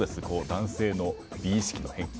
男性の美意識の変化。